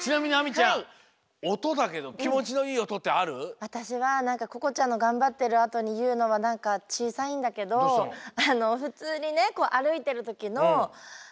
わたしはなんかここちゃんのがんばってるあとにいうのはなんかちいさいんだけどふつうにねあるいてるときのヒールのおと。